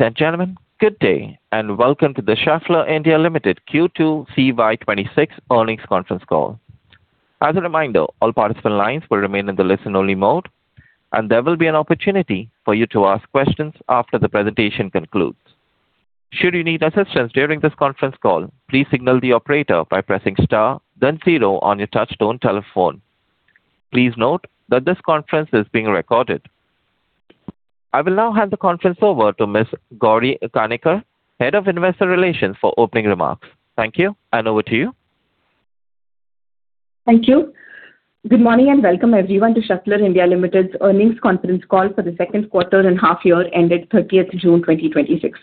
Ladies and gentlemen, good day and welcome to the Schaeffler India Limited Q2 CY 2026 earnings conference call. As a reminder, all participant lines will remain in the listen-only mode, and there will be an opportunity for you to ask questions after the presentation concludes. Should you need assistance during this conference call, please signal the operator by pressing star then zero on your touchtone telephone. Please note that this conference is being recorded. I will now hand the conference over to Ms. Gauri Kanikar, Head of Investor Relations, for opening remarks. Thank you, and over to you. Thank you. Good morning and welcome everyone to Schaeffler India Limited's earnings conference call for the second quarter and half year ended 30th June 2026.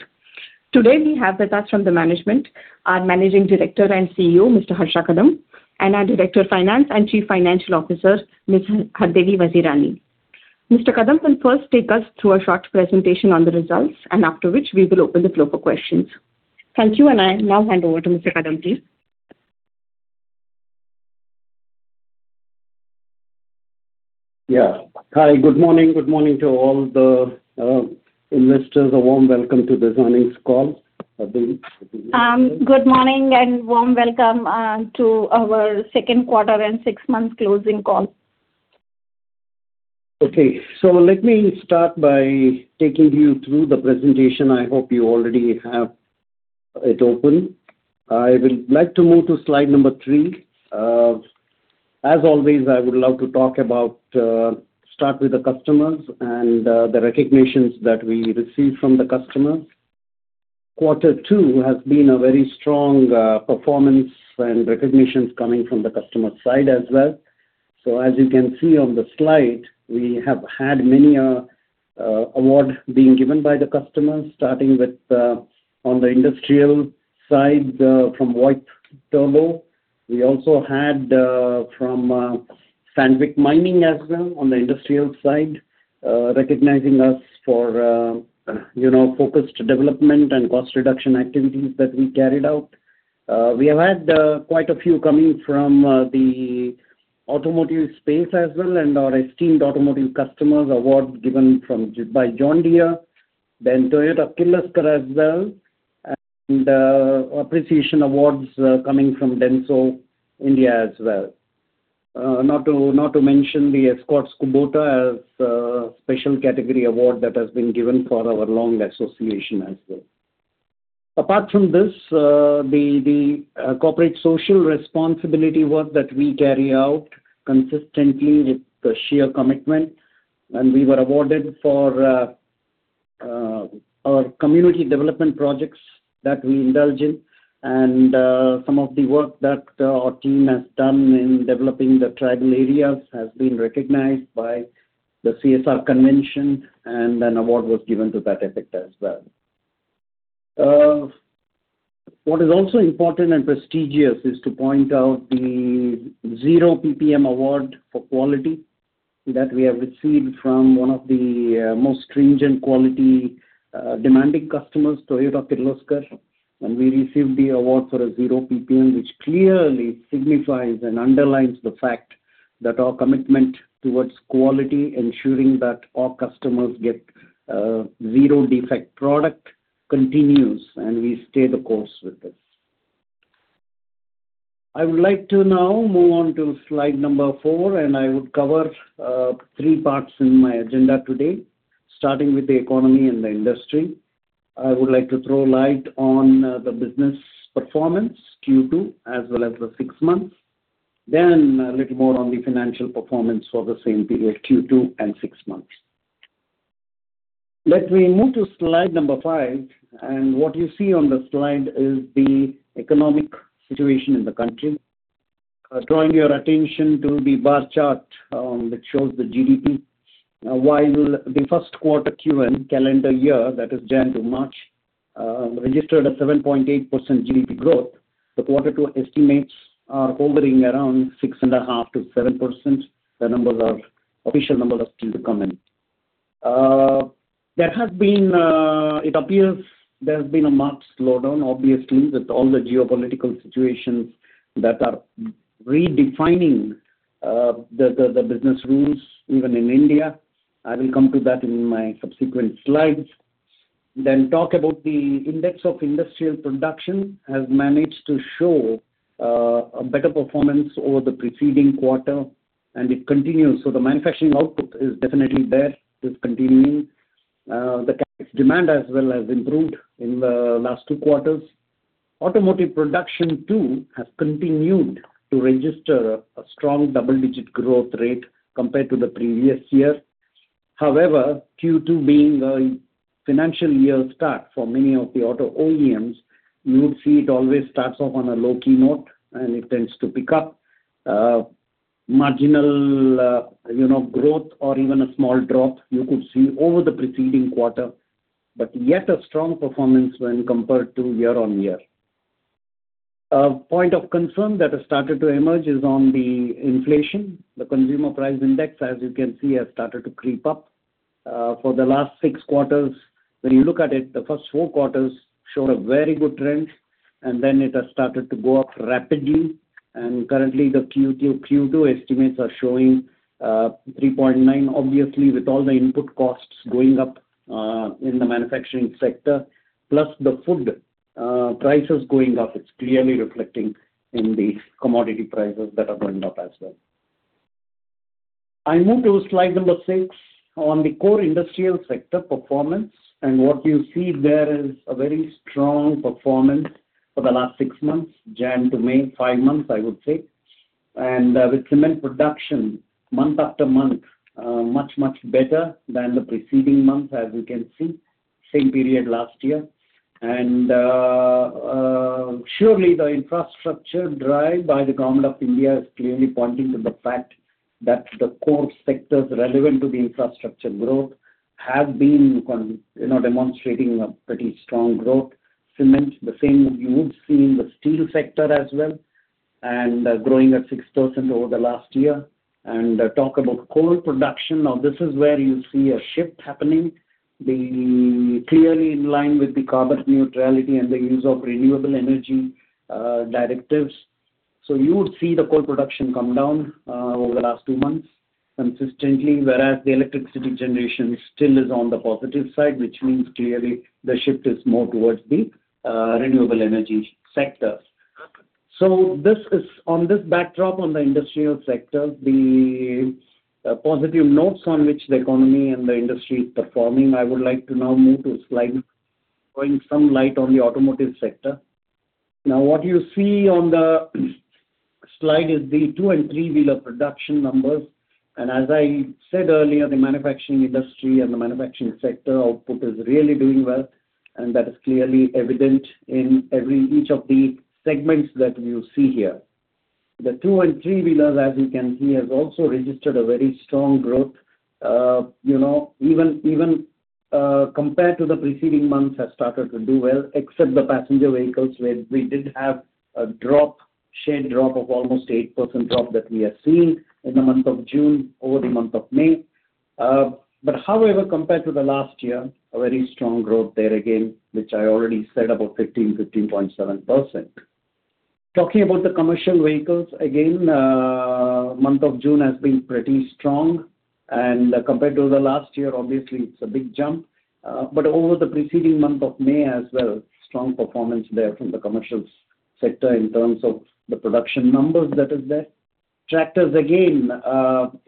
Today we have with us from the management, our Managing Director and Chief Executive Officer, Mr. Harsha Kadam, and our Director of Finance and Chief Financial Officer, Ms. Hardevi Vazirani. Mr. Kadam will first take us through a short presentation on the results, and after which we will open the floor for questions. Thank you, and I now hand over to Mr. Kadam, please. Hi, good morning. Good morning to all the investors. A warm welcome to this earnings call. Good morning and warm welcome to our second quarter and six months closing call. Okay. Let me start by taking you through the presentation. I hope you already have it open. I would like to move to slide number three. As always, I would love to start with the customers and the recognitions that we receive from the customers, quarter two has been a very strong performance and recognitions coming from the customer side as well. As you can see on the slide, we have had many awards being given by the customers, starting with on the industrial side from White Turbo. We also had from Sandvik Mining as well on the industrial side, recognizing us for focused development and cost reduction activities that we carried out. We have had quite a few coming from the automotive space as well, our esteemed automotive customers award given by John Deere, Toyota Kirloskar as well, and appreciation awards coming from Denso India as well. Not to mention the Escorts Kubota as a special category award that has been given for our long association as well. Apart from this, the corporate social responsibility work that we carry out consistently with sheer commitment, we were awarded for our community development projects that we indulge in. Some of the work that our team has done in developing the tribal areas has been recognized by the CSR convention, and an award was given to that effect as well. What is also important and prestigious is to point out the zero PPM award for quality that we have received from one of the most stringent quality demanding customers, Toyota Kirloskar. We received the award for a zero PPM, which clearly signifies and underlines the fact that our commitment towards quality, ensuring that our customers get zero-defect product continues, and we stay the course with this. I would like to now move on to slide number four, I would cover three parts in my agenda today. Starting with the economy and the industry. I would like to throw light on the business performance, Q2, as well as the six months. A little more on the financial performance for the same period, Q2 and six months. Let me move to slide number five, what you see on the slide is the economic situation in the country. Drawing your attention to the bar chart that shows the GDP. While the first quarter Q1 calendar year, that is January to March, registered a 7.8% GDP growth, the quarter two estimates are hovering around 6.5%-7%. The official numbers are still to come in. It appears there has been a marked slowdown, obviously, with all the geopolitical situations that are redefining the business rules even in India. I will come to that in my subsequent slides. Talk about the index of industrial production has managed to show a better performance over the preceding quarter, and it continues. The manufacturing output is definitely there, it's continuing. The demand as well has improved in the last two quarters. Automotive production too has continued to register a strong double-digit growth rate compared to the previous year. Q2 being a financial year start for many of the auto OEMs, you would see it always starts off on a low-key note, it tends to pick up. Marginal growth or even a small drop you could see over the preceding quarter, yet a strong performance when compared to year-on-year. A point of concern that has started to emerge is on the inflation. The Consumer Price Index, as you can see, has started to creep up. For the last six quarters, when you look at it, the first four quarters showed a very good trend, then it has started to go up rapidly, currently the Q2 estimates are showing 3.9%. With all the input costs going up in the manufacturing sector, plus the food prices going up, it's clearly reflecting in the commodity prices that are going up as well. I move to slide number six on the core industrial sector performance, what you see there is a very strong performance for the last six months, January to May, five months, I would say. With cement production month after month, much, much better than the preceding month, as you can see, same period last year. Surely the infrastructure drive by the Government of India is clearly pointing to the fact that the core sectors relevant to the infrastructure growth have been demonstrating a pretty strong growth. Cement, the same you would see in the steel sector as well, growing at 6% over the last year. Talk about coal production. This is where you see a shift happening, being clearly in line with the carbon neutrality and the use of renewable energy directives. You would see the coal production come down over the last two months consistently, whereas the electricity generation still is on the positive side, which means clearly the shift is more towards the renewable energy sector. On this backdrop on the industrial sector, the positive notes on which the economy and the industry is performing, I would like to now move to a slide throwing some light on the automotive sector. What you see on the slide is the two and three-wheeler production numbers. As I said earlier, the manufacturing industry and the manufacturing sector output is really doing well, that is clearly evident in each of the segments that you see here. The two and three wheelers, as you can see, has also registered a very strong growth. Even compared to the preceding months, has started to do well, except the passenger vehicles where we did have a sharp drop of almost 8% drop that we have seen in the month of June over the month of May. Compared to the last year, a very strong growth there again, which I already said about 15.7%. Talking about the commercial vehicles, again, month of June has been pretty strong. Compared to the last year, it's a big jump. Over the preceding month of May as well, strong performance there from the commercial sector in terms of the production numbers that is there. Tractors, again,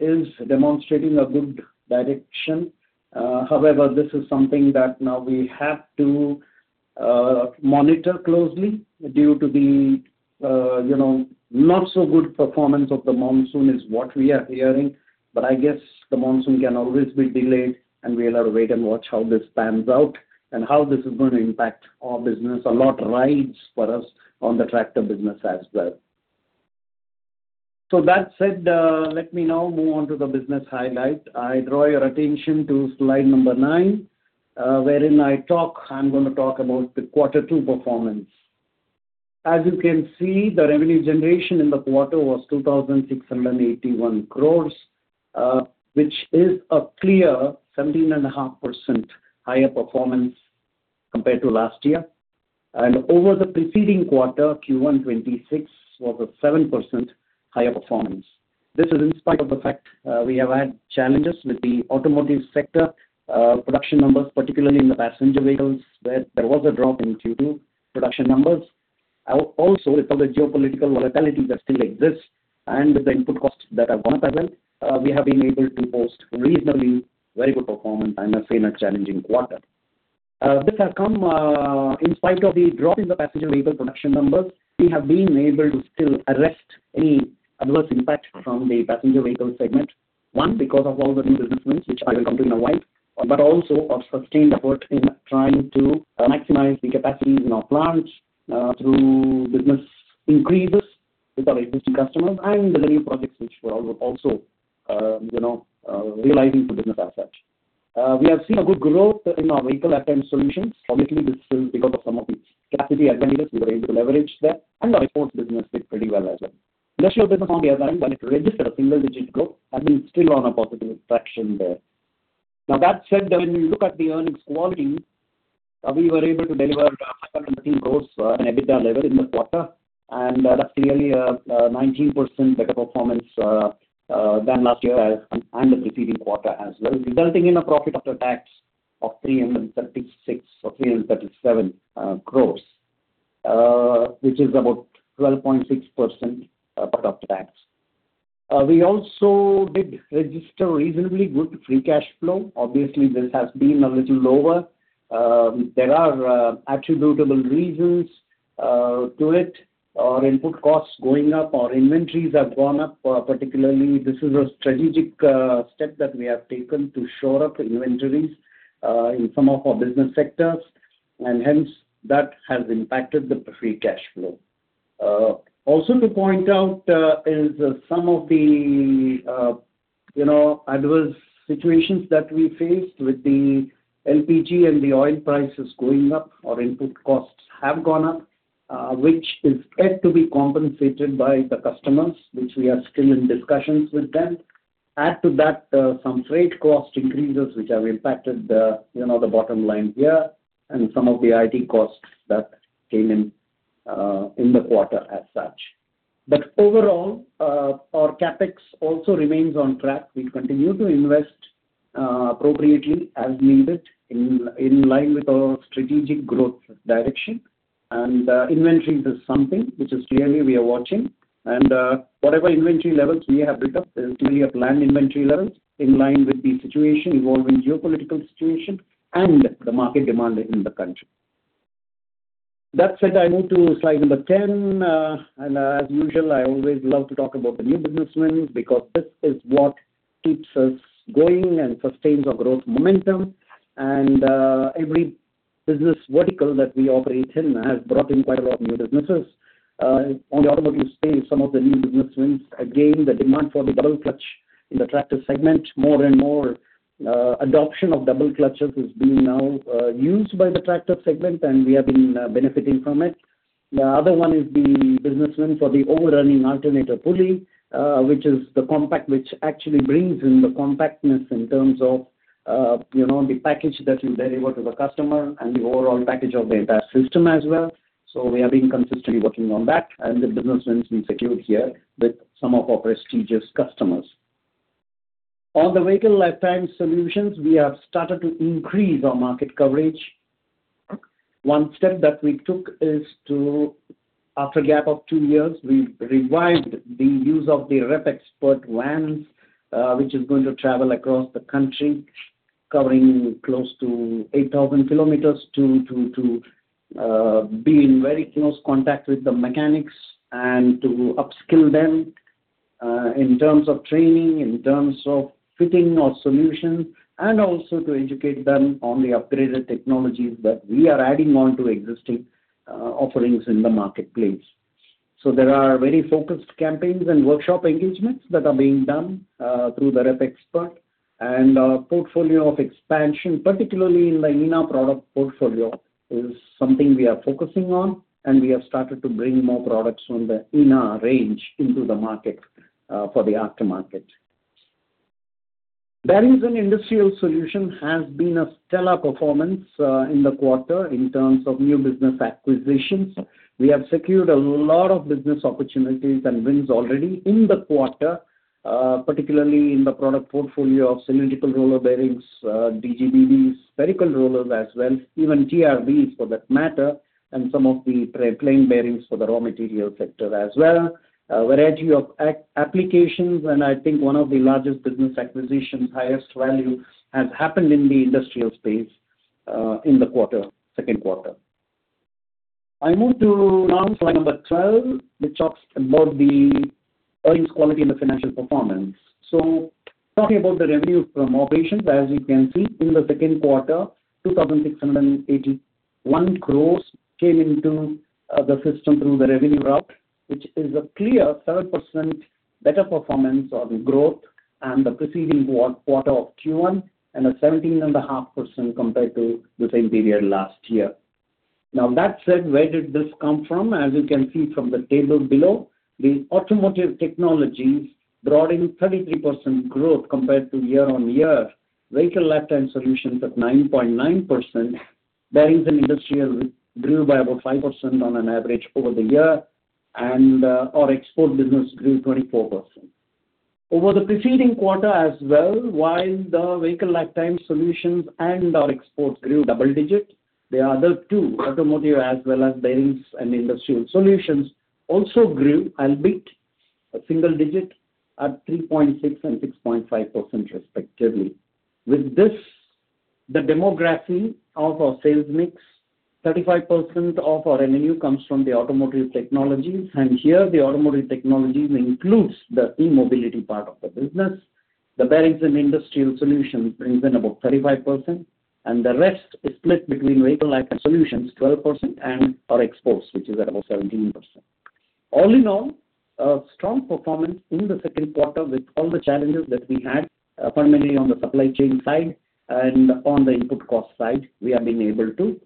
is demonstrating a good direction. This is something that now we have to monitor closely due to the not-so-good performance of the monsoon is what we are hearing. I guess the monsoon can always be delayed and we'll have to wait and watch how this pans out, and how this is going to impact our business. A lot rides for us on the tractor business as well. That said, let me now move on to the business highlight. I draw your attention to slide nine, wherein I'm going to talk about the quarter two performance. As you can see, the revenue generation in the quarter was 2,681 crore, which is a clear 17.5% higher performance compared to last year. Over the preceding quarter, Q126 was a 7% higher performance. This is in spite of the fact we have had challenges with the automotive sector production numbers, particularly in the passenger vehicles, where there was a drop in Q2 production numbers. With all the geopolitical volatility that still exists and the input costs that have gone up as well, we have been able to post reasonably very good performance, I must say, in a challenging quarter. This has come in spite of the drop in the passenger vehicle production numbers. We have been able to still arrest any adverse impact from the passenger vehicle segment. One, because of all the new business wins, which I will come to in a while, but also our sustained effort in trying to maximize the capacities in our plants through business increases with our existing customers and the new projects which we're also realizing for business as such. We have seen a good growth in our vehicle aftermarket solutions. Obviously, this is because of some of the capacity advantages we were able to leverage there, and the REPXPERT business did pretty well as well. Let's look at the company as a whole. While it registered a single-digit growth, and we're still on a positive traction there. That said, when you look at the earnings quality, we were able to deliver 513 crore in EBITDA level in the quarter, and that's clearly a 19% better performance than last year and the preceding quarter as well, resulting in a profit after tax of 336 or 337 crore, which is about 12.6% profit after tax. We also did register reasonably good free cash flow. Obviously, this has been a little lower. There are attributable reasons to it. Our input costs going up, our inventories have gone up. Particularly, this is a strategic step that we have taken to shore up inventories in some of our business sectors, and hence, that has impacted the free cash flow. To point out is some of the adverse situations that we faced with the LPG and the oil prices going up. Our input costs have gone up, which is yet to be compensated by the customers, which we are still in discussions with them. Add to that, some freight cost increases which have impacted the bottom line here and some of the IT costs that came in the quarter as such. Overall, our CapEx also remains on track. We continue to invest appropriately as needed in line with our strategic growth direction. Inventories is something which is clearly we are watching. Whatever inventory levels we have built up is clearly a planned inventory levels in line with the situation, evolving geopolitical situation and the market demand in the country. That said, I move to slide 10. As usual, I always love to talk about the new business wins because this is what keeps us going and sustains our growth momentum. Every business vertical that we operate in has brought in quite a lot of new businesses. On the Automotive space, some of the new business wins, again, the demand for the double clutch in the tractor segment. More and more adoption of double clutches is being now used by the tractor segment, and we have been benefiting from it. The other one is the business win for the overrunning alternator pulley, which actually brings in the compactness in terms of the package that you deliver to the customer and the overall package of the entire system as well. We have been consistently working on that, and the business wins we secured here with some of our prestigious customers. On the Vehicle lifetime solutions, we have started to increase our market coverage. One step that we took is to, after a gap of two years, we revived the use of the REPXPERT vans, which is going to travel across the country, covering close to 8,000 km to be in very close contact with the mechanics and to upskill them, in terms of training, in terms of fitting our solution, and also to educate them on the upgraded technologies that we are adding on to existing offerings in the marketplace. There are very focused campaigns and workshop engagements that are being done through the REPXPERT. Our portfolio of expansion, particularly in the INA product portfolio, is something we are focusing on, and we have started to bring more products from the INA range into the market, for the aftermarket. Bearings & Industrial Solutions has been a stellar performance in the quarter in terms of new business acquisitions. We have secured a lot of business opportunities and wins already in the quarter, particularly in the product portfolio of cylindrical roller bearings, DGBBs, spherical rollers as well, even TRBs for that matter, and some of the plane bearings for the raw material sector as well. A variety of applications. I think one of the largest business acquisition, highest value has happened in the Industrial space, in the second quarter. I move to now slide number 12, which talks about the earnings quality and the financial performance. Talking about the revenue from operations, as you can see, in the second quarter, 2,681 crores came into the system through the revenue route, which is a clear 7% better performance or growth than the preceding quarter of Q1 and a 17.5% compared to the same period last year. That said, where did this come from? As you can see from the table below, the Automotive technologies brought in 33% growth compared to year-on-year. Vehicle lifetime solutions at 9.9%. Bearings & Industrial grew by about 5% on an average over the year. Our export business grew 24%. Over the preceding quarter as well, while the Vehicle lifetime solutions and our exports grew double digit, the other two, Automotive as well as Bearings & Industrial Solutions, also grew albeit a single digit at 3.6% and 6.5% respectively. With this, the demography of our sales mix, 35% of our revenue comes from the Automotive Technologies, and here the Automotive Technologies includes the e-mobility part of the business. The Bearings & Industrial Solutions brings in about 35%, and the rest is split between Vehicle Lifetime Solutions, 12%, and our exports, which is at about 17%. All in all, a strong performance in the second quarter with all the challenges that we had, primarily on the supply chain side and on the input cost side, we have been able to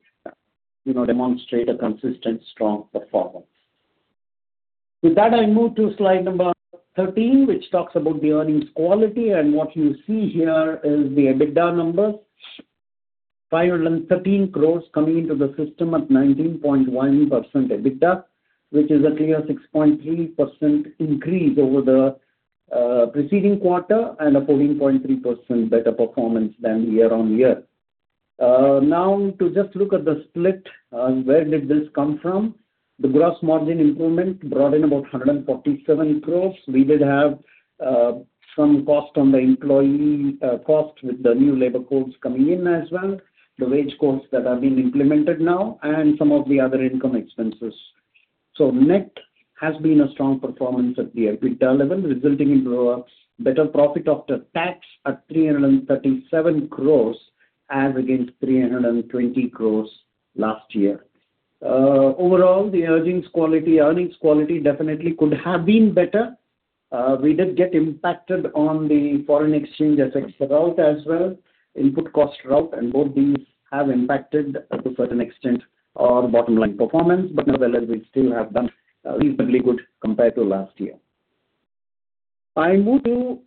demonstrate a consistent strong performance. With that, I move to slide 13, which talks about the earnings quality. What you see here is the EBITDA numbers. 513 crore coming into the system at 19.1% EBITDA, which is a clear 6.3% increase over the preceding quarter and a 14.3% better performance than year-over-year. Now to just look at the split on where did this come from. The gross margin improvement brought in about 147 crore. We did have some cost on the employee cost with the new labor codes coming in as well, the wage codes that are being implemented now, and some of the other income expenses. Net has been a strong performance at the EBITDA level, resulting in better profit after tax at 337 crore as against 320 crore last year. Overall, the earnings quality definitely could have been better. We did get impacted on the foreign exchange FX route as well, input cost route, and both these have impacted to a certain extent our bottom-line performance. Nevertheless, we still have done reasonably good compared to last year. I move to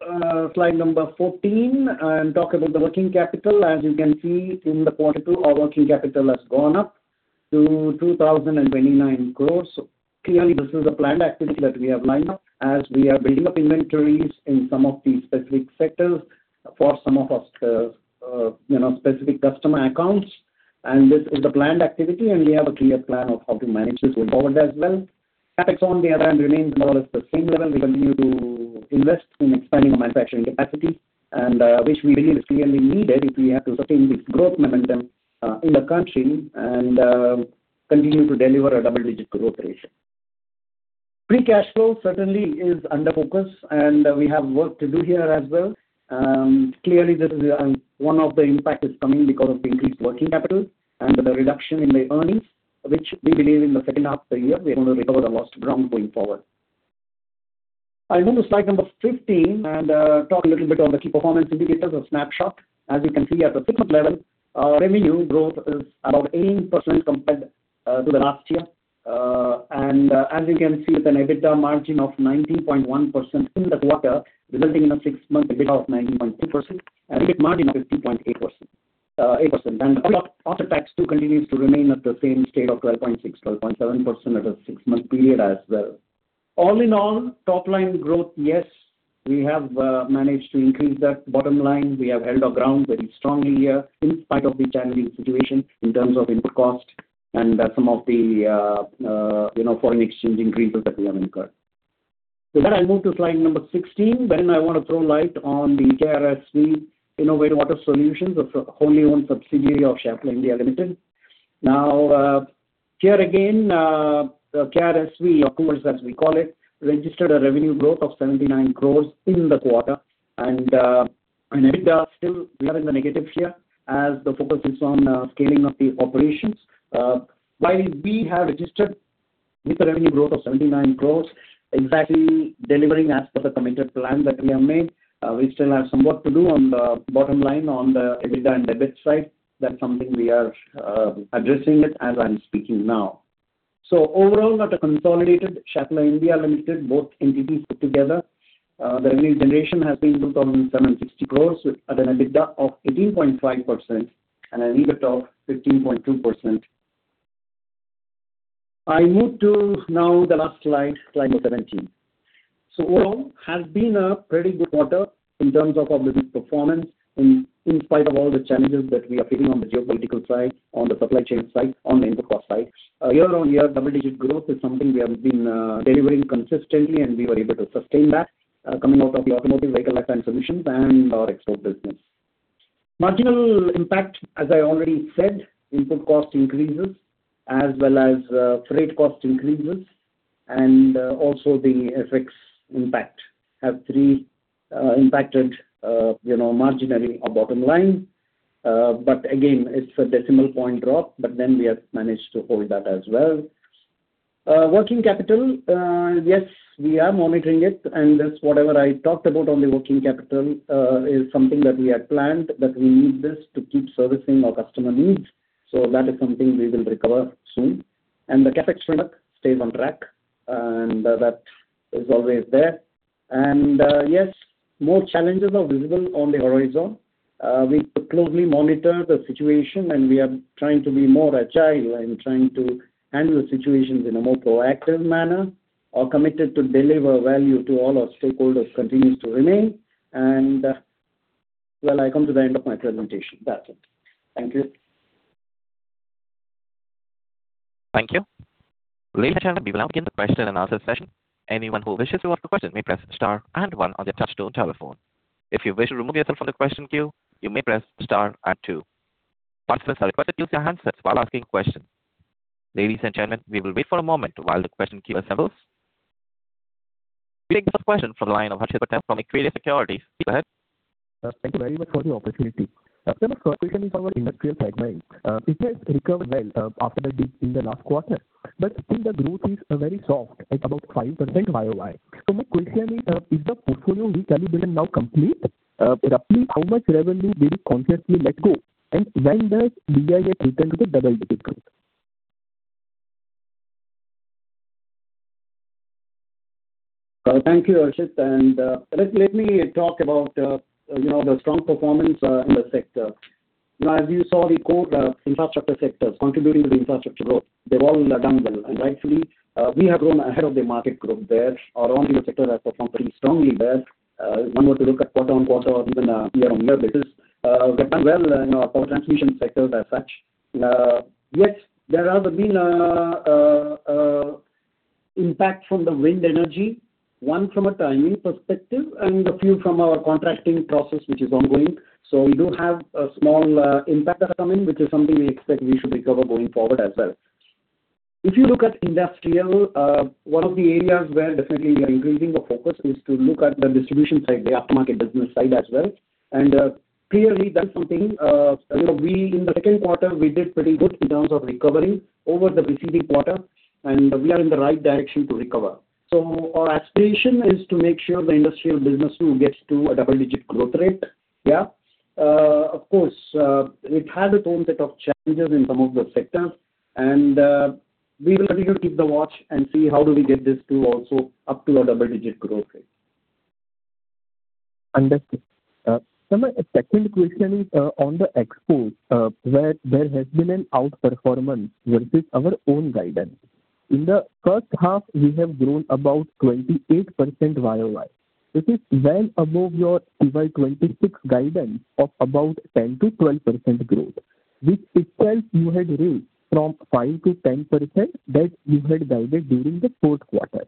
slide 14 and talk about the working capital. As you can see in the quarter two, our working capital has gone up to 2,029 crore. Clearly, this is a planned activity that we have lined up as we are building up inventories in some of the specific sectors for some of our specific customer accounts. This is a planned activity, and we have a clear plan of how to manage this going forward as well. CapEx on the other hand remains more or less the same level. We continue to invest in expanding manufacturing capacity and which we believe is clearly needed if we have to sustain this growth momentum in the country and continue to deliver a double-digit growth ratio. Free cash flow certainly is under focus, and we have work to do here as well. Clearly, one of the impact is coming because of the increased working capital and the reduction in the earnings, which we believe in the second half of the year, we're going to recover the lost ground going forward. I move to slide 15 and talk a little bit on the key performance indicators or snapshot. As you can see at the segment level, our revenue growth is about 18% compared to the last year. As you can see, with an EBITDA margin of 19.1% in the quarter, resulting in a six-month EBITDA of 19.2% and EBIT margin of 15.8%. Profit after tax too continues to remain at the same state of 12.6, 12.7% at a six-month period as well. All in all, top-line growth, yes, we have managed to increase that. Bottom line, we have held our ground very strongly here in spite of the challenging situation in terms of input cost and some of the foreign exchange increases that we have incurred. With that, I move to slide number 16, where I want to throw light on the KRSV Innovative Auto Solutions, a wholly owned subsidiary of Schaeffler India Limited. Here again, the KRSV, Koovers, as we call it, registered a revenue growth of 79 crore in the quarter. An EBITDA still we are in the negative here, as the focus is on scaling up the operations. While we have registered good revenue growth of 79 crore, exactly delivering as per the committed plan that we have made, we still have some work to do on the bottom line on the EBITDA and EBIT side. That's something we are addressing it as I'm speaking now. Overall, at a consolidated Schaeffler India Limited, both entities put together, the revenue generation has been 2,760 crore at an EBITDA of 18.5% and an EBIT of 15.2%. I move to now the last slide number 17. Overall, has been a pretty good quarter in terms of our business performance in spite of all the challenges that we are facing on the geopolitical side, on the supply chain side, on the input cost side. Year-on-year, double-digit growth is something we have been delivering consistently, and we were able to sustain that coming out of the Automotive Vehicle Lightweight Solutions and our export business. Marginal impact, as I already said, input cost increases as well as freight cost increases and also the FX impact have impacted margin and our bottom line. Again, it's a decimal point drop, but we have managed to hold that as well. Working capital, yes, we are monitoring it, and that's whatever I talked about on the working capital, is something that we had planned, that we need this to keep servicing our customer needs. That is something we will recover soon. The CapEx spend stays on track, and that is always there. Yes, more challenges are visible on the horizon. We closely monitor the situation, and we are trying to be more agile in trying to handle the situations in a more proactive manner. Our committed to deliver value to all our stakeholders continues to remain. Well, I come to the end of my presentation. That's it. Thank you. Thank you. Ladies and gentlemen, we will now begin the question and answer session. Anyone who wishes to ask a question may press star and one on their touchtone telephone. If you wish to remove yourself from the question queue, you may press star and two. Participants are requested to use their handsets while asking questions. Ladies and gentlemen, we will wait for a moment while the question queue assembles. We take the first question from the line of Harshil Patel from ICICI Securities. Please go ahead. Thank you very much for the opportunity. Sir, my first question is on our Industrial segment. It has recovered well after the dip in the last quarter, but still the growth is very soft, at about 5% YoY. My question is the portfolio right sizing now complete? Roughly how much revenue we will consciously let go? When does it return to the double-digit growth? Thank you, Harshil. Let me talk about the strong performance in the sector. As you saw, we called infrastructure sectors contributing to the infrastructure growth. They've all done well, and actually, we have grown ahead of the market growth there. Our own sector has performed pretty strongly there. One were to look at quarter-on-quarter or even year-on-year basis. We've done well in our power transmission sector as such. Yes, there has been impact from the wind energy, one from a timing perspective and a few from our contracting process, which is ongoing. We do have a small impact that are coming, which is something we expect we should recover going forward as well. If you look at industrial, one of the areas where definitely we are increasing the focus is to look at the distribution side, the aftermarket business side as well. Clearly that's something, in the second quarter, we did pretty good in terms of recovering over the preceding quarter, and we are in the right direction to recover. Our aspiration is to make sure the industrial business will get to a double-digit growth rate. Of course, it has its own set of challenges in some of the sectors and we will continue to keep the watch and see how do we get this to also up to a double-digit growth rate. Understood. Ma'am, a second question is on the export, where there has been an outperformance versus our own guidance. In the first half, we have grown about 28% YoY. This is well above your FY 2026 guidance of about 10%-12% growth, which itself you had raised from 5%-10% that you had guided during the fourth quarter.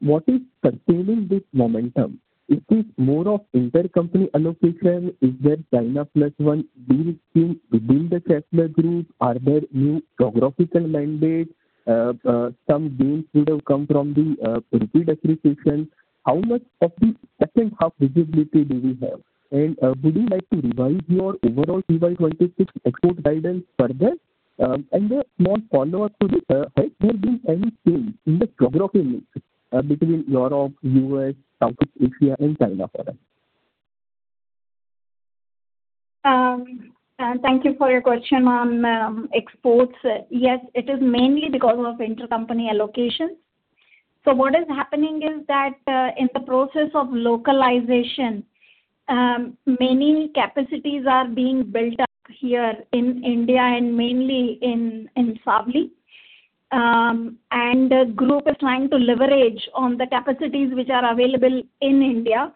What is sustaining this momentum? Is it more of intercompany allocation? Is there China plus one deal still within the Schaeffler Group? Are there new geographical mandates? Some gains would have come from the rupee depreciation. How much of the second half visibility do we have? Would you like to revise your overall FY 2026 export guidance further? A small follow-up to this, has there been any change in the geographic mix between Europe, U.S., South Asia, and China for us? Thank you for your question on exports. Yes, it is mainly because of intercompany allocations. What is happening is that, in the process of localization, many capacities are being built up here in India and mainly in Savli. The group is trying to leverage on the capacities which are available in India,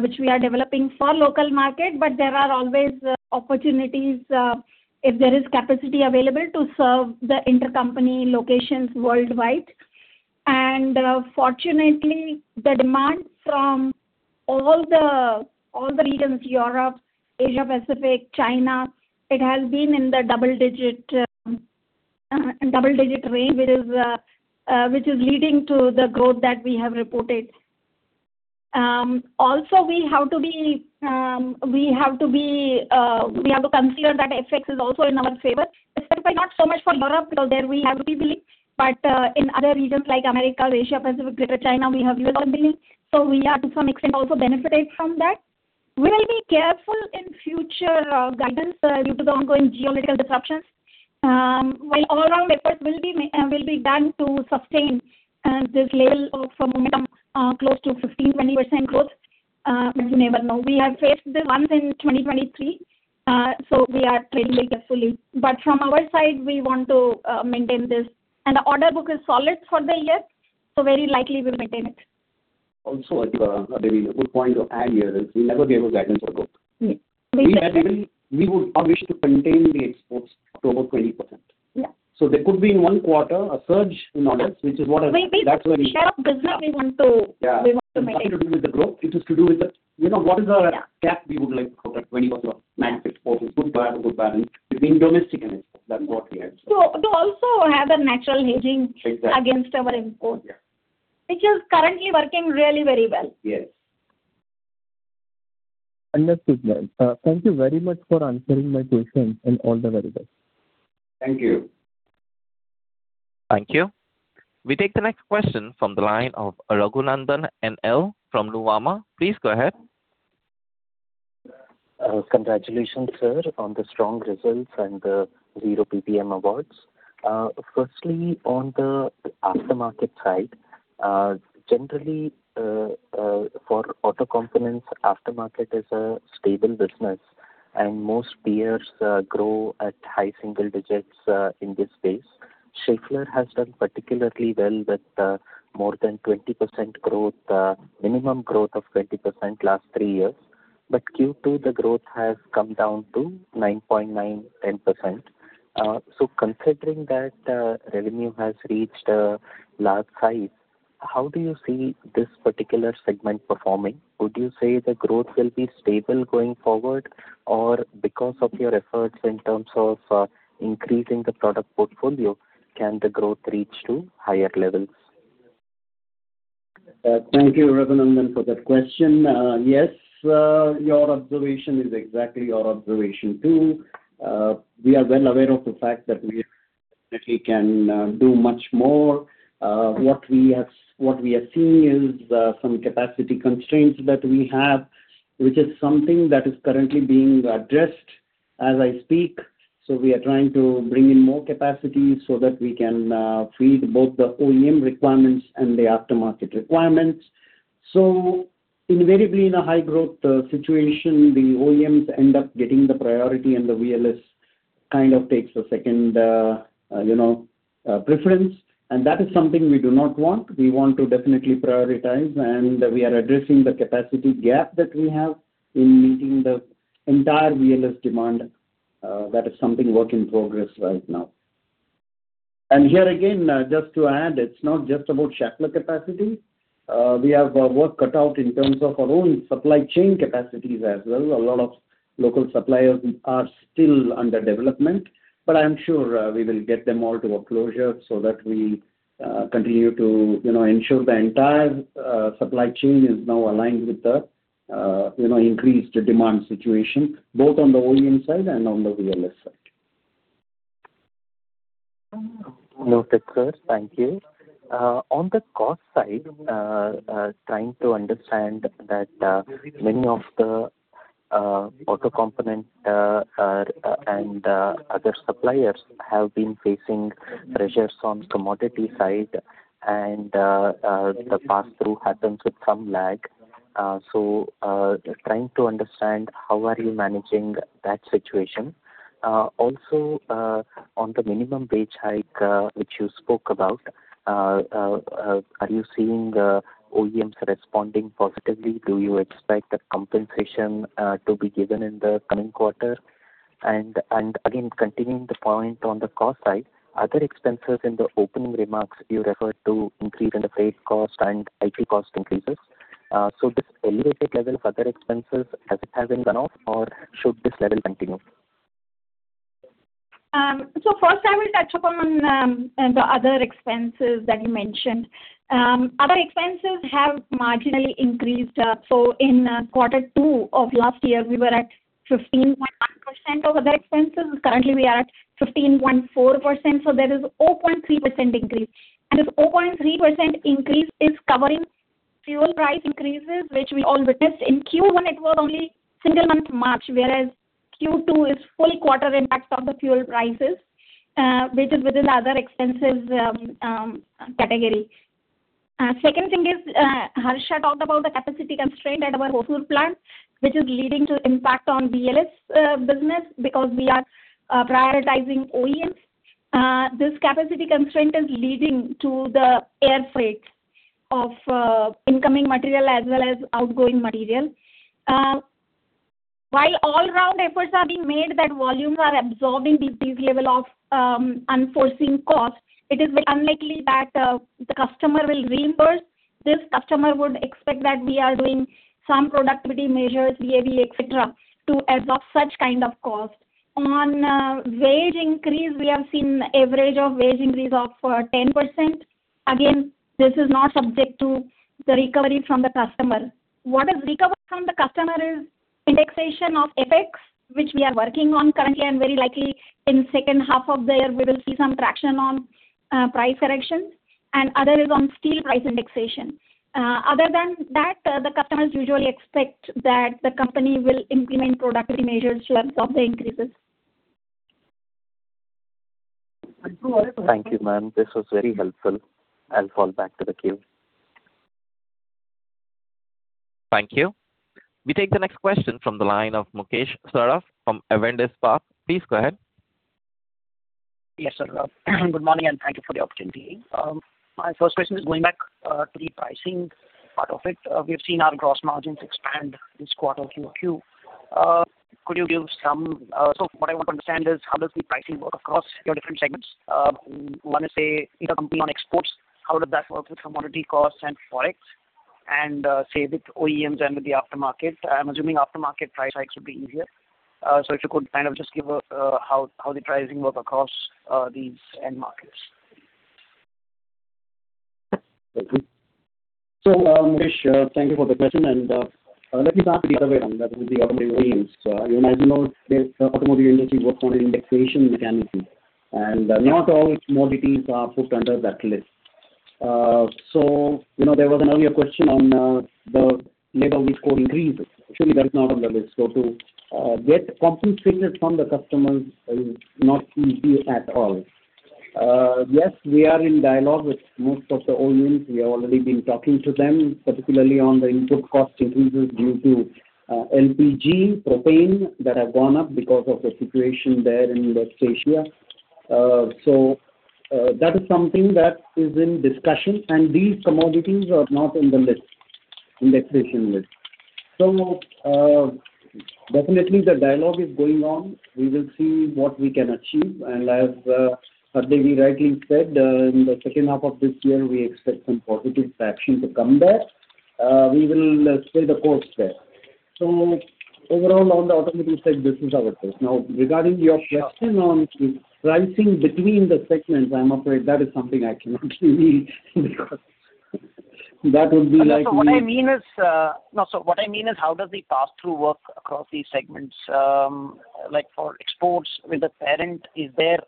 which we are developing for local market, but there are always opportunities, if there is capacity available to serve the intercompany locations worldwide. Fortunately, the demand from all the regions, Europe, Asia-Pacific, China, it has been in the double-digit range, which is leading to the growth that we have reported. Also, we have to consider that FX is also in our favor, especially not so much for Europe, because there we have rupee billing. In other regions like America, Asia-Pacific, Greater China, we have U.S dollar billing, so we are to some extent also benefited from that. We will be careful in future guidance due to the ongoing geopolitical disruptions. While all our efforts will be done to sustain this level of momentum, close to 15%-20% growth, you never know. We have faced this once in 2023, we are treading very carefully. From our side, we want to maintain this. The order book is solid for the year, very likely we'll maintain it. Also, Hardevi, a very good point to add here is we never gave a guidance for growth. Yes. We would wish to maintain the exports to about 20%. Yeah. There could be in one quarter a surge in orders, which is what. We, Schaeffler business, want to maintain. Yeah. It has nothing to do with the growth. It is to do with what is our cap we would like to cover, 20% of 9% for the good, bad or good balance between domestic and export. That is what we answer. To also have a natural hedging. Exactly. Against our imports. Yeah. Which is currently working really very well. Yes. Understood. Thank you very much for answering my questions, and all the very best. Thank you. Thank you. We take the next question from the line of Raghunandhan N L from Nuvama. Please go ahead. Congratulations, sir, on the strong results and the Zero PPM Awards. Firstly, on the aftermarket side, generally, for auto components, aftermarket is a stable business and most peers grow at high single digits in this space. Schaeffler has done particularly well with more than 20% growth, minimum growth of 20% last three years. Q2, the growth has come down to 9.9%, 10%. Considering that revenue has reached a large size, how do you see this particular segment performing? Would you say the growth will be stable going forward? Because of your efforts in terms of increasing the product portfolio, can the growth reach to higher levels? Thank you, Raghunandhan, for that question. Yes, your observation is exactly our observation too. We are well aware of the fact that we definitely can do much more. What we are seeing is some capacity constraints that we have, which is something that is currently being addressed. As I speak, we are trying to bring in more capacity so that we can feed both the OEM requirements and the aftermarket requirements. Invariably, in a high growth situation, the OEMs end up getting the priority and the VLS kind of takes a second preference, and that is something we do not want. We want to definitely prioritize, and we are addressing the capacity gap that we have in meeting the entire VLS demand. That is something work in progress right now. Here again, just to add, it's not just about Schaeffler capacity. We have our work cut out in terms of our own supply chain capacities as well. A lot of local suppliers are still under development. I'm sure we will get them all to a closure so that we continue to ensure the entire supply chain is now aligned with the increased demand situation, both on the OEM side and on the VLS side. Noted, sir. Thank you. On the cost side, trying to understand that many of the auto component and other suppliers have been facing pressures on commodity side and the pass-through happens with some lag. Just trying to understand how are you managing that situation. Also, on the minimum wage hike, which you spoke about, are you seeing the OEMs responding positively? Do you expect the compensation to be given in the coming quarter? Again, continuing the point on the cost side, other expenses in the opening remarks, you referred to increase in the freight cost and IT cost increases. This elevated level of other expenses, has it been one-off or should this level continue? First, I will touch upon the other expenses that you mentioned. Other expenses have marginally increased. In quarter two of last year, we were at 15.1% of the expenses. Currently, we are at 15.4%. There is 0.3% increase. This 0.3% increase is covering fuel price increases, which we all witnessed. In Q1, it was only single month March, whereas Q2 is full quarter impact of the fuel prices, which is within the other expenses category. Second thing is, Harsha talked about the capacity constraint at our Hosur plant, which is leading to impact on VLS business because we are prioritizing OEMs. This capacity constraint is leading to the air freight of incoming material as well as outgoing material. While all round efforts are being made that volumes are absorbing this level of unforeseen cost, it is very unlikely that the customer will reimburse. This customer would expect that we are doing some productivity measures, VA/VE, et cetera, to absorb such kind of cost. On wage increase, we have seen average of wage increase of 10%. Again, this is not subject to the recovery from the customer. What is recovered from the customer is indexation of FX, which we are working on currently and very likely in second half of the year, we will see some traction on price corrections, and other is on steel price indexation. Other than that, the customers usually expect that the company will implement productivity measures to absorb the increases. Thank you, ma'am. This was very helpful. I'll fall back to the queue. Thank you. We take the next question from the line of Mukesh Saraf from Avendus Spark. Please go ahead. Yes, sir. Good morning, and thank you for the opportunity. My first question is going back to the pricing part of it. We've seen our gross margins expand this quarter QoQ. What I want to understand is how does the pricing work across your different segments? One is, say, either company on exports, how does that work with commodity costs and Forex? Say, with OEMs and with the aftermarket, I'm assuming aftermarket price hikes would be easier. If you could kind of just give how the pricing work across these end markets. Thank you. Mukesh, thank you for the question. Let me start with the OEM. As you might know, the automotive industry works on an indexation mechanism, and not all commodities are put under that list. There was an earlier question on the labor wage code increases. Actually, that's not on the list. To get compensations from the customers is not easy at all. Yes, we are in dialogue with most of the OEMs. We have already been talking to them, particularly on the input cost increases due to LPG, propane, that have gone up because of the situation there in West Asia. That is something that is in discussion, and these commodities are not in the indexation list. Definitely the dialogue is going on. We will see what we can achieve. As Hardevi rightly said, in the second half of this year, we expect some positive traction to come back. We will stay the course there. Overall, on the automotive side, this is our case. Now, regarding your question on the pricing between the segments, I'm afraid that is something I cannot give you because that would be like. What I mean is how does the pass-through work across these segments? Like for exports with the parent, is there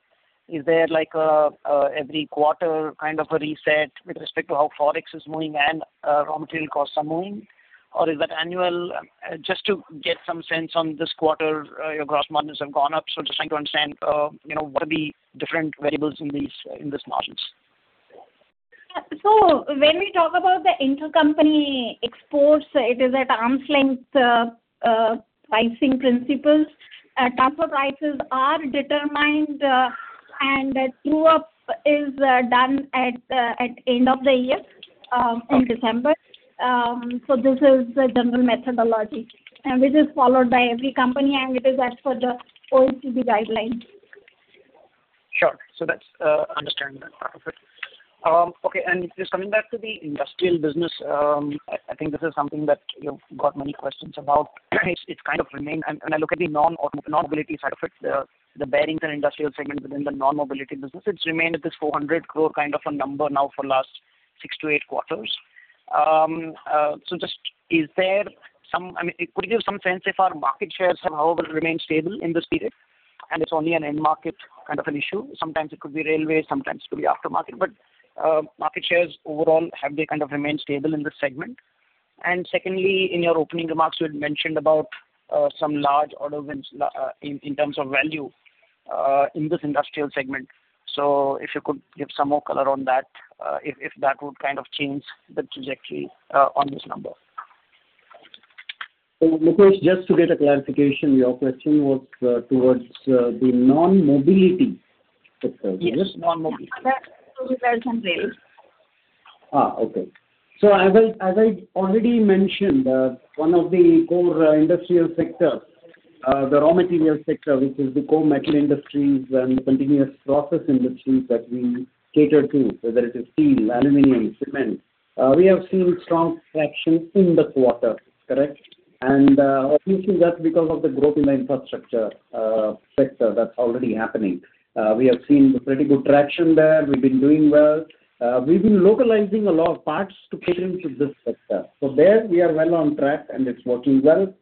every quarter kind of a reset with respect to how forex is moving and raw material costs are moving? Or is that annual? Just to get some sense on this quarter, your gross margins have gone up. Just trying to understand what are the different variables in these margins. When we talk about the intercompany exports, it is at arm's length pricing principles. Transfer prices are determined, and a true-up is done at end of the year, in December. This is the general methodology, and which is followed by every company, and it is as per the OECD guidelines. Sure. That's understanding that part of it. Okay, just coming back to the industrial business, I think this is something that you've got many questions about. It's kind of remained, and when I look at the non-mobility side of it, the Bearings & Industrial Solutions segment within the non-mobility business, it's remained at this 400 crore kind of a number now for last six to eight quarters. Could you give some sense if our market shares have however remained stable in this period and it's only an end market kind of an issue? Sometimes it could be railway, sometimes it could be aftermarket. Market shares overall, have they kind of remained stable in this segment? Secondly, in your opening remarks, you had mentioned about some large order wins in terms of value, in this industrial segment. If you could give some more color on that, if that would kind of change the trajectory on this number. Mukesh, just to get a clarification, your question was towards the non-mobility sector. Is it? Yes, non-mobility. Yes. [inaudible] Okay. As I already mentioned, one of the core industrial sectors, the raw material sector, which is the core metal industries and continuous process industries that we cater to, whether it is steel, aluminum, cement, we have seen strong traction in this quarter. Correct? Obviously, that's because of the growth in the infrastructure sector that's already happening. We have seen pretty good traction there. We've been doing well. We've been localizing a lot of parts to cater into this sector. There we are well on track, and it's working well.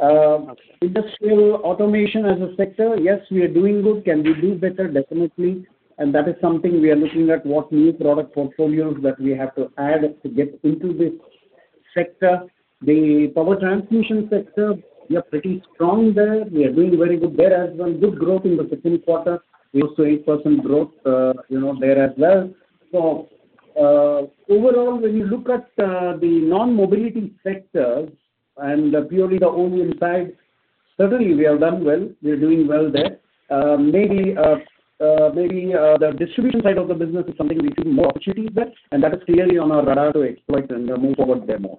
Okay. Industrial automation as a sector, yes, we are doing good. Can we do better? Definitely. That is something we are looking at, what new product portfolios that we have to add to get into this sector. The power transmission sector, we are pretty strong there. We are doing very good there as well. Good growth in the second quarter, close to 8% growth there as well. Overall, when you look at the non-mobility sectors and purely the OEM side, certainly we have done well. We are doing well there. Maybe the distribution side of the business is something we see more opportunities there, and that is clearly on our radar to exploit and move forward there more.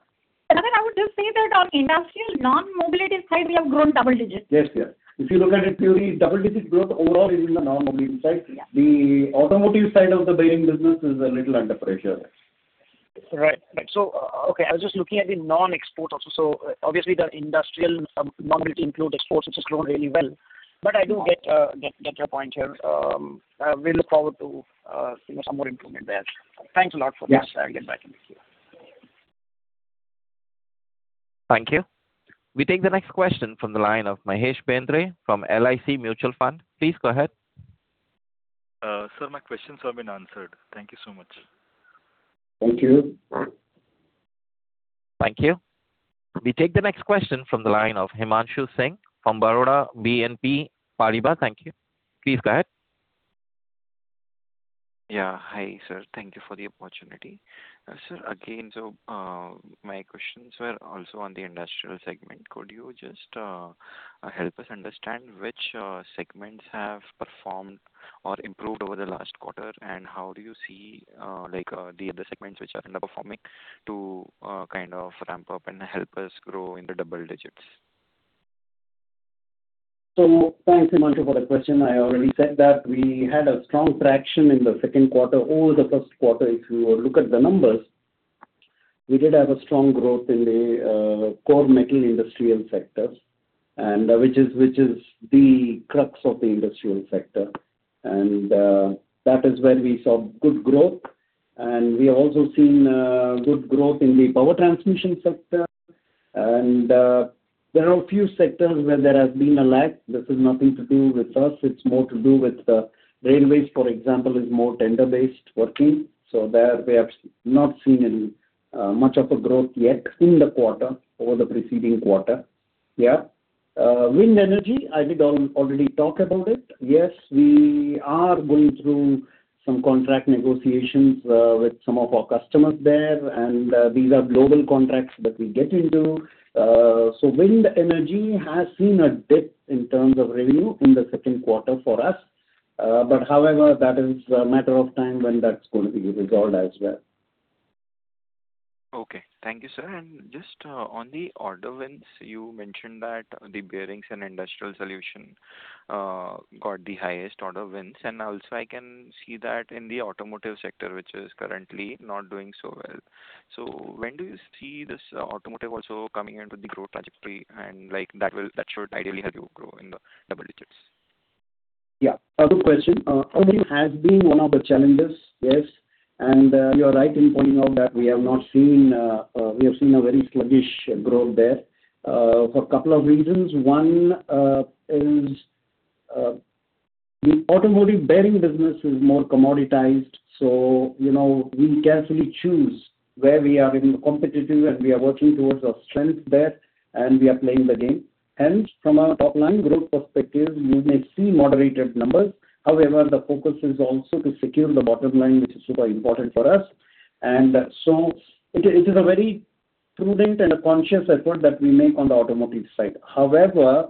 I would just say that on industrial non-mobility side, we have grown double digits. Yes, yes. If you look at it purely double-digit growth overall is in the non-mobility side. Yeah. The automotive side of the bearing business is a little under pressure. Right. Okay. I was just looking at the non-export also. Obviously the industrial non-mobility include exports, which has grown really well. I do get your point here. We look forward to some more improvement there. Thanks a lot for this. Yes. I'll get back with you. Thank you. We take the next question from the line of Mahesh Bendre from LIC Mutual Fund. Please go ahead. Sir, my questions have been answered. Thank you so much. Thank you. Thank you. We take the next question from the line of Himanshu Singh from Baroda BNP Paribas. Thank you. Please go ahead. Yeah. Hi, sir. Thank you for the opportunity, Sir, again, My questions were also on the industrial segment. Could you just help us understand which segments have performed or improved over the last quarter? How do you see the other segments which are underperforming to kind of ramp up and help us grow into double digits? Thanks, Himanshu, for the question. I already said that we had a strong traction in the second quarter. Over the first quarter, if you look at the numbers, we did have a strong growth in the core metal industrial sectors, which is the crux of the industrial sector, and that is where we saw good growth. We also seen good growth in the power transmission sector. There are few sectors where there has been a lag. This is nothing to do with us, it's more to do with the railways, for example, is more tender-based working. There we have not seen much of a growth yet in the quarter over the preceding quarter. Yeah. Wind energy, I did already talk about it. Yes, we are going through some contract negotiations with some of our customers there, these are global contracts that we get into. Wind energy has seen a dip in terms of revenue in the second quarter for us. However, that is a matter of time when that's going to be resolved as well. Okay. Thank you, sir. Just on the order wins, you mentioned that the Bearings & Industrial Solutions got the highest order wins, and also I can see that in the automotive sector, which is currently not doing so well. When do you see this automotive also coming into the growth trajectory and that should ideally help you grow in the double digits? Yeah. Good question. OEM has been one of the challenges, yes. You are right in pointing out that we have seen a very sluggish growth there for a couple of reasons. One is the automotive bearing business is more commoditized, we carefully choose where we are competitive, and we are working towards our strength there, and we are playing the game. Hence, from a top-line growth perspective, you may see moderated numbers. However, the focus is also to secure the bottom line, which is super important for us. It is a very prudent and conscious effort that we make on the automotive side. However,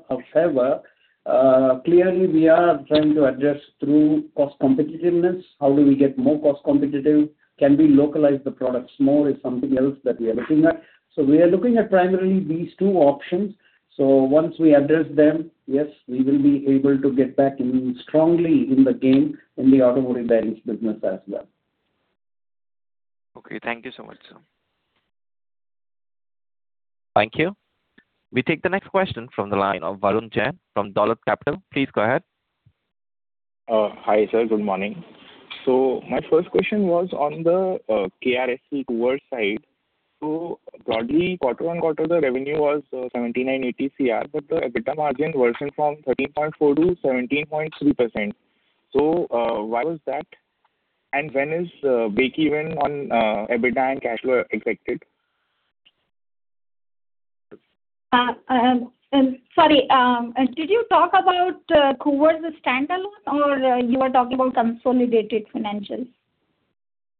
clearly we are trying to adjust through cost competitiveness. How do we get more cost competitive? Can we localize the products more is something else that we are looking at. We are looking at primarily these two options. Once we address them, yes, we will be able to get back in strongly in the game in the automotive bearings business as well. Okay. Thank you so much, sir. Thank you. We take the next question from the line of Varun Jain from Dolat Capital. Please go ahead. Hi, sir. Good morning. My first question was on the KRSV Koovers side. Broadly, quarter-on-quarter, the revenue was 79 crores- 80 crores, but the EBITDA margin worsened from 13.4%-17.3%. Why was that, and when is breakeven on EBITDA and cash flow expected? Sorry, did you talk about KRSV standalone, or you are talking about consolidated financials?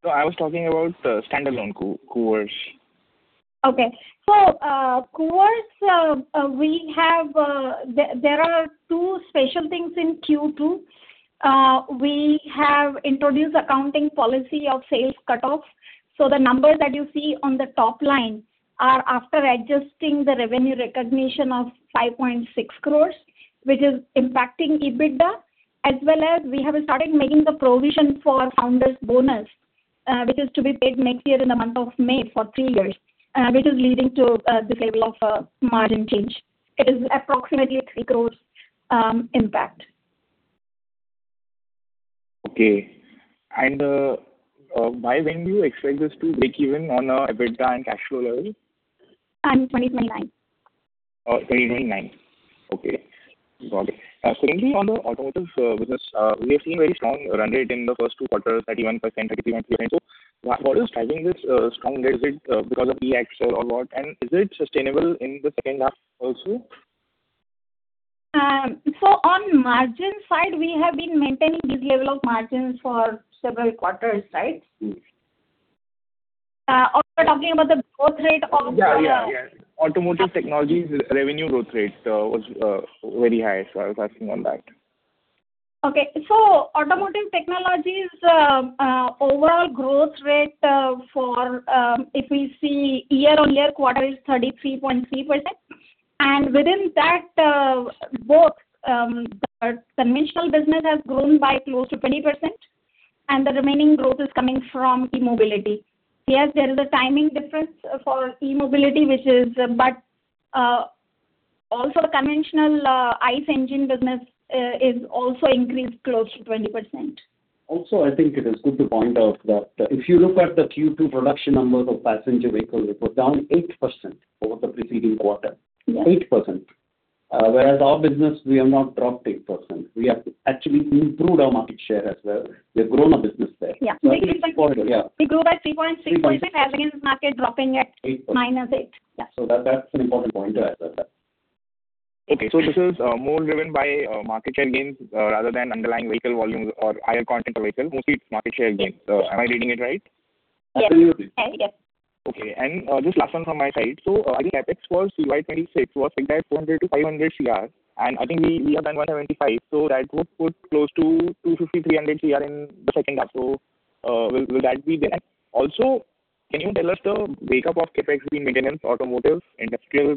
No, I was talking about standalone KRSV. Okay. KRSV, there are two special things in Q2. We have introduced accounting policy of sales cut-off. The numbers that you see on the top line are after adjusting the revenue recognition of 5.6 crores, which is impacting EBITDA. As well as we have started making the provision for founder's bonus, which is to be paid next year in the month of May for three years. This is leading to this level of margin change. It is approximately 3 crores impact. Okay. By when do you expect this to break even on a EBITDA and cash flow level? 2029. 2029. Okay, got it. Secondly, on the automotive business, we have seen very strong run rate in the first two quarters, 31%, 33%. What is driving this strong rate? Is it because of e-axle or what? Is it sustainable in the second half also? On margin side, we have been maintaining this level of margins for several quarters, right? Yes. We're talking about the growth rate. Automotive technologies revenue growth rate was very high, so I was asking on that. Automotive technologies' overall growth rate, if we see year-on-year quarter is 33.3%. Within that book, the conventional business has grown by close to 20%, and the remaining growth is coming from e-mobility. Yes, there is a timing difference for e-mobility, but also conventional ICE engine business is also increased close to 20%. I think it is good to point out that if you look at the Q2 production numbers of passenger vehicles, it was down 8% over the preceding quarter 8%. Our business, we have not dropped 8%. We have actually improved our market share as well. We've grown our business there. Yeah. Yeah. We grew by 3.3% average market dropping. 8% -8. Yeah. That's an important point to add that. This is more driven by market share gains rather than underlying vehicle volumes or higher content of vehicle. Mostly it's market share gains. Am I reading it right? Yes. Absolutely. Yes. CapEx for FY 2026 was figured at 400 crore-500 crore, I think we have done 175 crore, that would put close to 250 crore, 300 crore in the second half. Will that be there? Also, can you tell us the breakup of CapEx in maintenance, automotive, industrial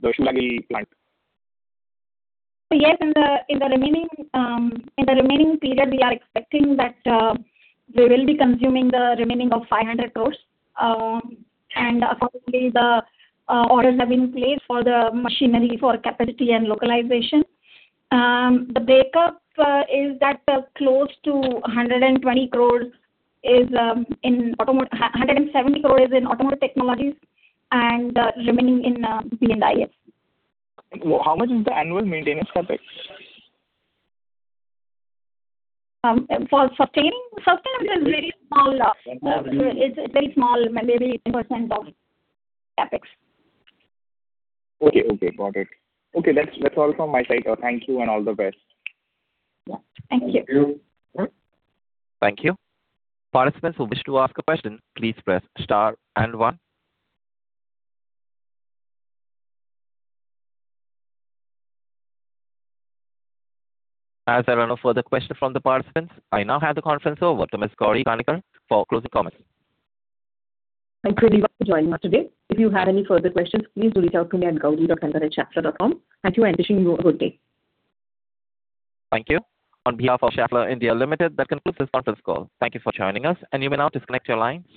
bearing, localization, and Hosur and Savli plant? Yes, in the remaining period, we are expecting that we will be consuming the remaining of 500 crore, and accordingly, the orders have been placed for the machinery for capacity and localization. The breakup is that close to 170 crore is in automotive technologies and remaining in BNDIS. How much is the annual maintenance CapEx? For sustaining? Sustaining is very small, maybe 8% of CapEx. Okay. Got it. Okay. That's all from my side. Thank you, and all the best. Yeah. Thank you. Thank you. Thank you. Participants who wish to ask a question, please press star and one. As there are no further questions from the participants, I now hand the conference over to Ms. Gauri Kanikar for closing comments. Thank you, everyone, for joining us today. If you have any further questions, please reach out to me at Gauri.Kanikar@schaeffler.com. Thank you, and wishing you a good day. Thank you. On behalf of Schaeffler India Limited, that concludes this conference call. Thank you for joining us, and you may now disconnect your line.